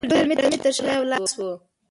د دې ټولې ډرامې تر شا یو لاس و